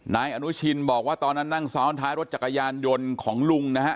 นายอนุชินบอกว่าตอนนั้นนั่งซ้อนท้ายรถจักรยานยนต์ของลุงนะฮะ